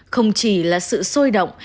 không chỉ là sự sôi động